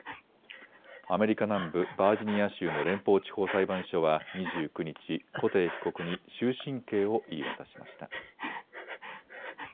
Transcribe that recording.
アメリカ南部バージニア州の連邦地方裁判所は２９日、コテー被告に終身刑を言い渡しました。